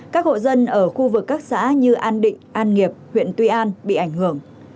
các hộ dân ở khu vực các xã như an định an nghiệp huyện tuy an bị ảnh hưởng